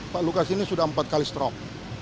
pak lukas ini sudah empat kali strok